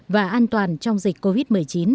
và an toàn trong dịch covid một mươi chín